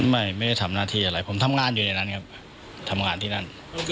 ไม่ได้ทำหน้าที่อะไรผมทำงานอยู่ในนั้นครับทำงานที่นั่น